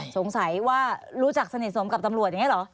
สงสัยว่ารู้จักสนิทสมกับตำรวจอย่างนี้เหรอ